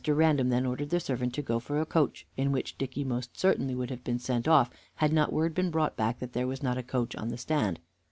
Random then ordered the servant to go for a coach, in which Dicky most certainly would have been sent off had not word been brought back that there was not a coach on the stand.